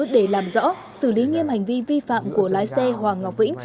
để làm rõ xử lý nghiêm hành vi vi phạm của lái xe hoàng ngọc vĩnh